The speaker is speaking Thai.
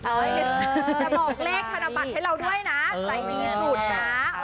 จะบอกเลขธนบัตรให้เราด้วยนะใจดีสุดนะ